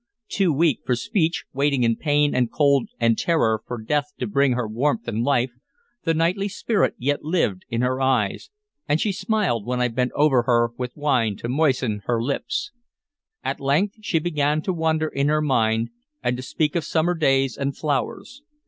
Too weak for speech, waiting in pain and cold and terror for death to bring her warmth and life, the knightly spirit yet lived in her eyes, and she smiled when I bent over her with wine to moisten her lips. At length she began to wander in her mind, and to speak of summer days and flowers.